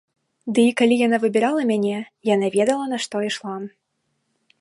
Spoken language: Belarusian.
Ды і калі яна выбірала мяне, яна ведала на што ішла.